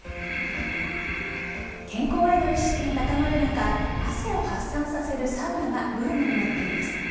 健康への意識が高まる中汗を発散させるサウナがブームになっています。